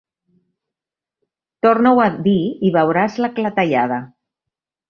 Torna-ho a dir i veuràs la clatellada.